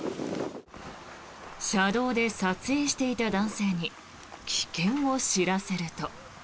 車道で撮影していた男性に危険を知らせると。